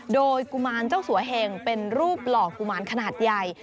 โดยกุมารเจ้าสัวเหงเป็นรูปหล่อกุมารขนาดใหญ่